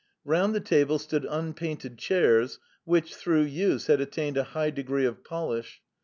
Round the table stood unpainted chairs which, through use, had attained a high degree of polish.